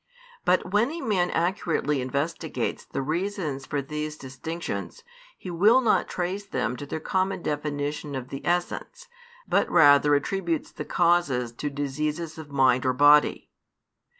But when a man accurately investigates the reasons for these distinctions, he will not trace them to their common definition of the essence, but rather attributes the causes to diseases of mind or body.